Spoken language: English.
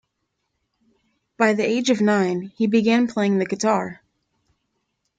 By the age of nine, he began playing the guitar.